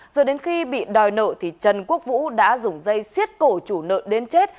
rồi đến khi bị đòi nợ trần quốc vũ đã dùng dây xiết cổ chủ nợ đến chết